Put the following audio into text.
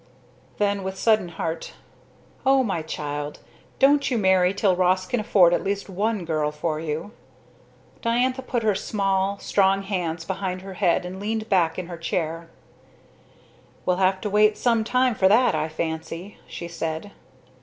Then with sudden heat "O my Child! Don't you marry till Ross can afford at least one girl for you!" Diantha put her small, strong hands behind her head and leaned back in her chair. "We'll have to wait some time for that I fancy," she said.